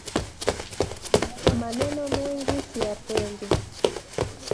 Maneno mengi siyapendi